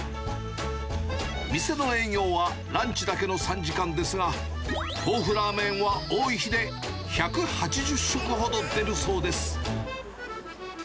店の営業はランチだけの３時間ですが、トーフラーメンは多い日で１８０食ほど出るそうです。